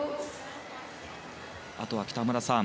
あとは、北村さん